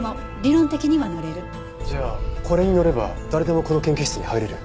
じゃあこれに乗れば誰でもこの研究室に入れる？